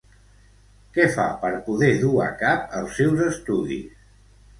Què fa per poder dur a cap els seus estudis?